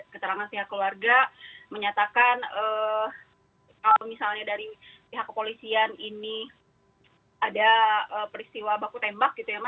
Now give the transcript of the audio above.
keterangan pihak keluarga menyatakan kalau misalnya dari pihak kepolisian ini ada peristiwa baku tembak gitu ya mas